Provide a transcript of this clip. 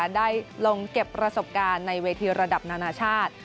ได้ลงเก็บประสบการณ์ในเวทีระดับนานาชาติ